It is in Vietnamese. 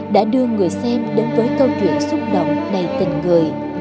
đã đưa người xem đến với câu chuyện xúc động đầy tình người